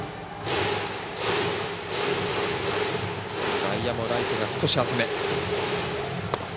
外野もライトは少し浅め。